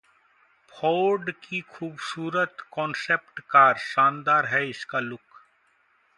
Ford की खूबसूरत concept car, शानदार है इसका लुक